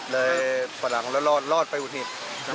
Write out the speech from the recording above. เลยประหลังแล้วรอดไปอุดนิด